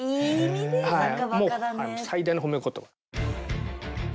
もう最大の褒め言葉。